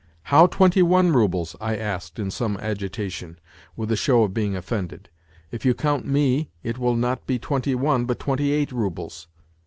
" How twenty one roubles ?" I asked in some agitation, with a show of being offended; " if you count me it will not be twenty one, but twenty eight roubles."